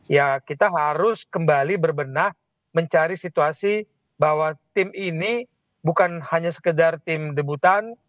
ya kita harus kembali berbenah mencari situasi bahwa tim ini bukan hanya sekedar tim debutan